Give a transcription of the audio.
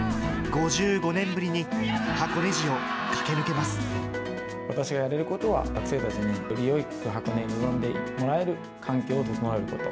５５年ぶりに箱根路を駆け抜けま私がやれることは、学生たちによりよく箱根に臨んでもらえる環境を整えること。